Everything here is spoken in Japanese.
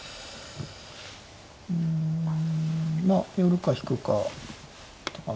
うんまあ寄るか引くか。